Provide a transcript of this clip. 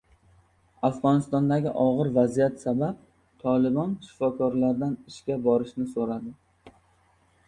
Afg‘onistondagi og‘ir vaziyat sabab «Tolibon»shifokorlardan ishga borishni so‘radi